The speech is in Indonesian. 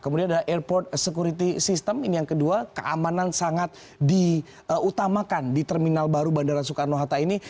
kemudian ada airport security system ini yang kedua keamanan sangat diutamakan di terminal baru bandara soekarno hatta ini